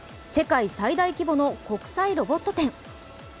世界最大規模の国際ロボット展。